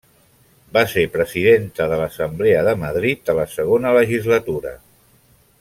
Va ser presidenta de l'Assemblea de Madrid a la segona legislatura.